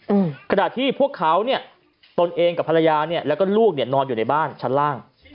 อืมขณะที่พวกเขาเนี้ยตนเองกับภรรยาเนี้ยแล้วก็ลูกเนี้ยนอนอยู่ในบ้านชั้นล่าง